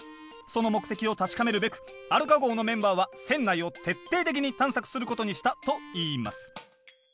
その目的を確かめるべくアルカ号のメンバーは船内を徹底的に探索することにしたといいます。